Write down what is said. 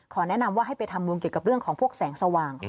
แนะนำว่าให้ไปทำบุญเกี่ยวกับเรื่องของพวกแสงสว่าง